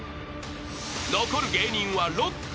［残る芸人は６組］